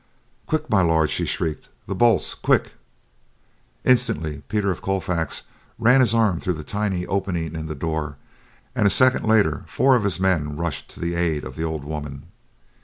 "Quick, My Lord!" she shrieked, "the bolts, quick." Instantly Peter of Colfax ran his arm through the tiny opening in the door and a second later four of his men rushed to the aid of the old woman.